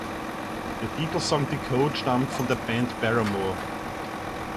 Der Titelsong "Decode" stammt von der Band Paramore.